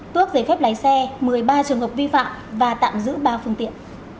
tuốc giấy phép lái xe một mươi ba trường hợp vi phạm và tạm giữ ba phương tiện